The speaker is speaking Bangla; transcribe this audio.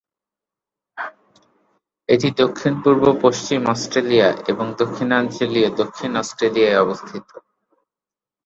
এটি দক্ষিণ-পূর্ব পশ্চিম অস্ট্রেলিয়া এবং দক্ষিণাঞ্চলীয় দক্ষিণ অস্ট্রেলিয়ায় অবস্থিত।